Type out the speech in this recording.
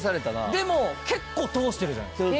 でも結構通してるじゃないですか。